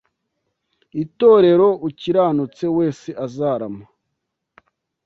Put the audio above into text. itorero ukiranutse wese azarama